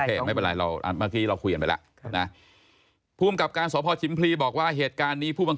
ไม่เป็นไรเราเมื่อกี้เราคุยกันไปแล้วนะภูมิกับการสพชิมพลีบอกว่าเหตุการณ์นี้ผู้บัง